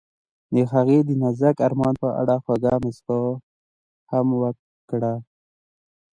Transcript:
هغې د نازک آرمان په اړه خوږه موسکا هم وکړه.